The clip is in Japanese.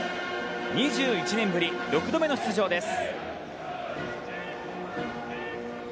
２１年ぶり６度目の出場です。